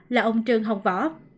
là ông trương hồng võ